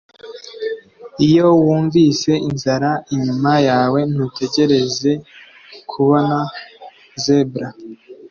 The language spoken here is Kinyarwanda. Iyo wunvise inzara inyuma yawe, ntutegereze kubona zebra